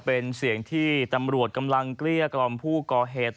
เป็นเสียงที่ตำรวจกำลังเกลี้ยกล่อมผู้ก่อเหตุ